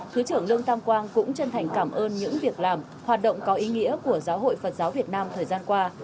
thứ trưởng lương tam quang cũng chân thành cảm ơn những việc làm hoạt động có ý nghĩa của giáo hội phật giáo việt nam thời gian qua